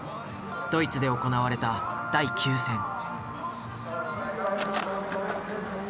ドイツで行われた第９戦。